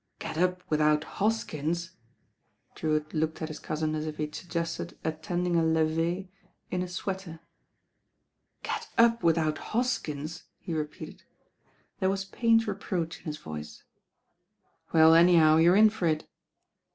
"Get p without Hoskins!" Drewitt looked at his cousj.i as if he had suggested attending a levee in a sweater. "Get up without Hoskins I" he re peated. There was pained reproach in his voice. "Well, anyhow, you're in for it."